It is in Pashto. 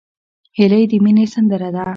هیلۍ د مینې سندره ده